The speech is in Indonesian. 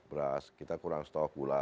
beras kita kurang stok gula